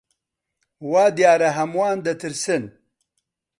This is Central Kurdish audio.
وا دیارە هەمووان دەترسن.